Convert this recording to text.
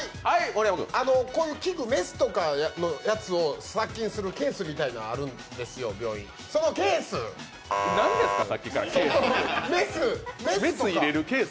こういう器具、メスとかのやつを殺菌するケースみたいなんがあるんですよ、病院、そのケース。